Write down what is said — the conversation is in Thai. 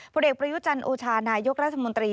ผลเอกประยุจันทร์โอชานายกรัฐมนตรี